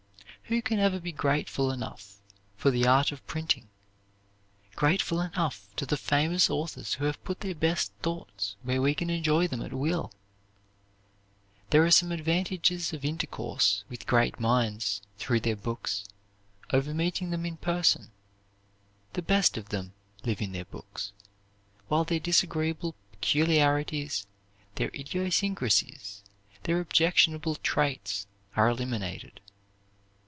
Who can ever be grateful enough for the art of printing; grateful enough to the famous authors who have put their best thoughts where we can enjoy them at will? There are some advantages of intercourse with great minds through their books over meeting them in person. The best of them live in their books, while their disagreeable peculiarities, their idiosyncrasies, their objectionable traits are eliminated.